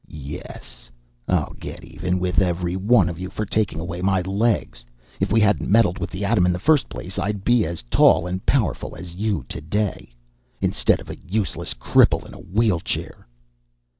"Yes! I'll get even with every one of you for taking away my legs! If we hadn't meddled with the atom in the first place, I'd be as tall and powerful as you, today instead of a useless cripple in a wheelchair."